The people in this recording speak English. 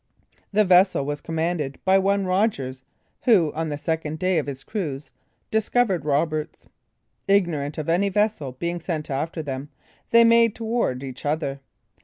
That vessel was commanded by one Rogers, who, on the second day of his cruise, discovered Roberts. Ignorant of any vessel being sent after them, they made towards each other.